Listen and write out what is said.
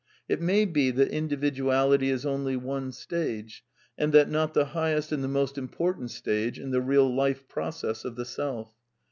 It may be that individuality is only one stage, and that not the highest and the most important stage, in the real life process of the self.